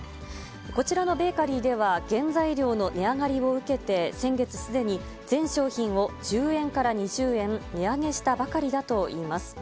こちらのベーカリーでは、原材料の値上がりを受けて先月すでに全商品を１０円から２０円値上げしたばかりだといいます。